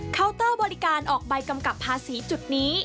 เตอร์บริการออกใบกำกับภาษีจุดนี้